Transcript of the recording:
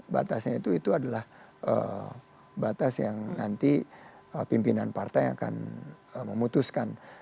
batasnya itu adalah batas yang nanti pimpinan partai akan memutuskan